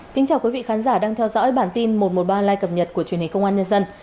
xin chào quý vị khán giả đang theo dõi bản tin một trăm một mươi ba lai cập nhật của truyền hình công an nhân dân